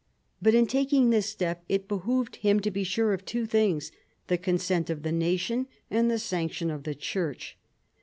But in taking this step it behoved him to be sure of two things, the consent of the nation and the sanction of the Churcli.